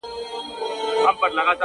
هر ماځيگر تبه _ هره غرمه تبه _